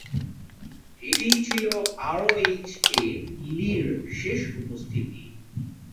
এটিই ছিল আরওএইচ-এ লির শেষ উপস্থিতি।